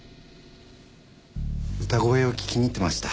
歌声を聴きに行ってました。